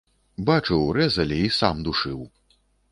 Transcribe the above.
Бачыў, рэзалі, і сам душыў.